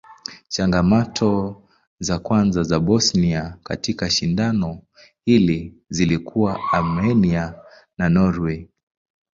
Changamoto za kwanza za Bosnia katika shindano hili zilikuwa Armenia na Norway.